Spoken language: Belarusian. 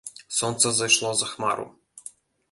Сонца зайшло за хмару.